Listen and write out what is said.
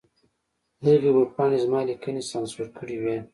هغې ویبپاڼې زما لیکنې سانسور کړې وې.